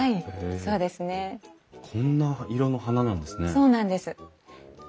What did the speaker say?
そうなんです。